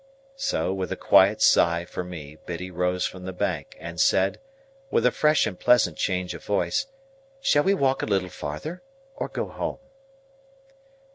So, with a quiet sigh for me, Biddy rose from the bank, and said, with a fresh and pleasant change of voice, "Shall we walk a little farther, or go home?"